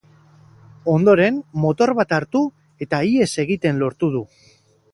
Ondoren, motor bat hartu eta ihes egiten lortu du.